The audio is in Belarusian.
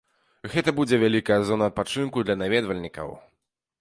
Гэта будзе вялікая зона адпачынку для наведвальнікаў.